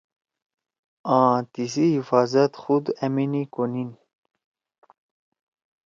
آں تیسی حفاظت خود أمنی کونین ۔